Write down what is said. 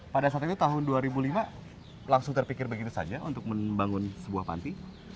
pada saat itu tahun dua ribu lima langsung terpikir begitu saja untuk membangun sebuah panti